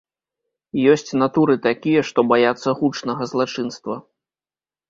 Ёсць натуры такія, што баяцца гучнага злачынства.